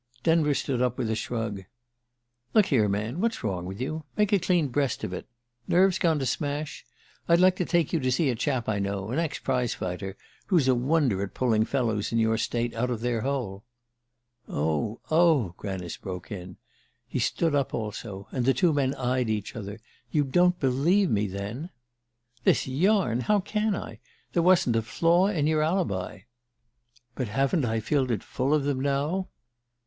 Denver stood up with a shrug. "Look here, man what's wrong with you? Make a clean breast of it! Nerves gone to smash? I'd like to take you to see a chap I know an ex prize fighter who's a wonder at pulling fellows in your state out of their hole " "Oh, oh " Granice broke in. He stood up also, and the two men eyed each other. "You don't believe me, then?" "This yarn how can I? There wasn't a flaw in your alibi." "But haven't I filled it full of them now?"